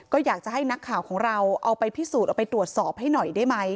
ก็อยากจะให้นักข่าวของเราเอาไปพิสูจน์เอาไปตรวจสอบให้หน่อยได้ไหม